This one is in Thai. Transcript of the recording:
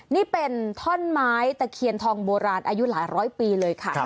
นี่เป็นท่อนไม้ตะเคียนทองโบราณอายุหลายร้อยปีเลยค่ะ